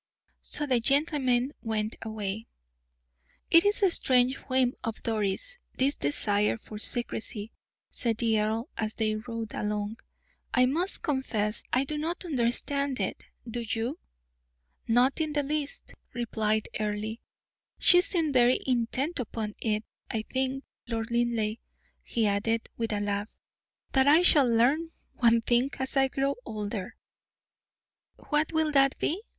So the gentlemen went away. "It is a strange whim of Doris', this desire for secrecy," said the earl, as they rode along. "I must confess I do not understand it; do you?" "Not in the least," replied Earle, "she seemed very intent upon it. I think, Lord Linleigh," he added, with a laugh, "that I shall learn one thing as I grow older." "What will that be?"